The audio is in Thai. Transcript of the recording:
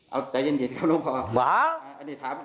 เอาใจเย็นเย็นครับน้องพ่อ